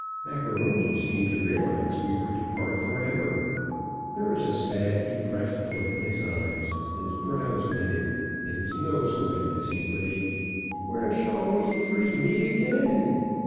Macaroni seemed to realize we were to part forever. There was a sad, depressed look in his eyes; his brows knitted, and his nose wept, as he brayed "When shall we three meet again."